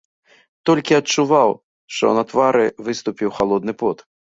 Толькі адчуваў, што на твары выступіў халодны пот.